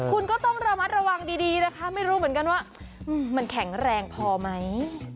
คุณก็ต้องระมัดระวังดีนะคะไม่รู้เหมือนกันว่ามันแข็งแรงพอไหม